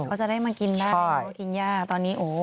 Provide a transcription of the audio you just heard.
สักเขาจะได้มากินได้ทุ่งหญ้าตอนนี้โอ้โฮ